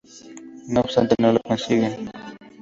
No obstante, no lo consiguen.